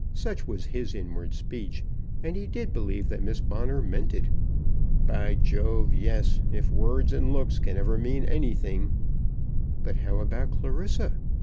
Such was his inward speech; and he did believe that Miss Bonner meant it. "By Jove, yes; if words and looks ever can mean anything." But how about Clarissa?